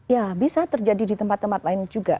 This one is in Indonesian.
ya bisa terjadi di tempat tempat lain juga